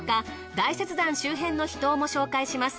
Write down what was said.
大雪山周辺の秘湯も紹介します。